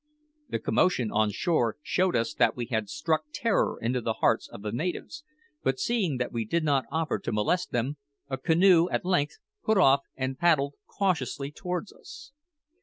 The commotion on shore showed us that we had struck terror into the hearts of the natives; but seeing that we did not offer to molest them, a canoe at length put off and paddled cautiously towards us.